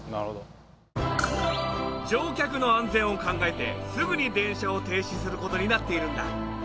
乗客の安全を考えてすぐに電車を停止する事になっているんだ。